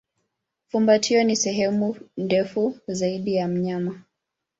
Fumbatio ni sehemu ndefu zaidi ya mnyama.